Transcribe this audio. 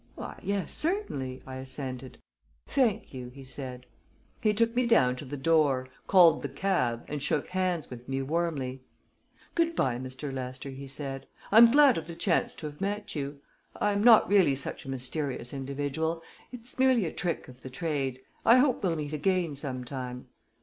"Why, yes, certainly," I assented. "Thank you," he said. He took me down to the door, called the cab, and shook hands with me warmly. "Good by, Mr. Lester," he said. "I'm glad of the chance to have met you. I'm not really such a mysterious individual it's merely a trick of the trade. I hope we'll meet again some time."